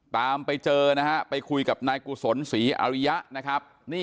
ตามไปเจอไปคุยกับนายกุศลศรีอริยะ